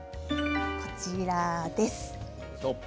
こちらです。